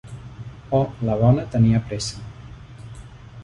Oh, la bona tenia pressa.